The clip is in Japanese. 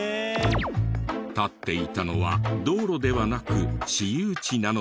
立っていたのは道路ではなく私有地なのですが。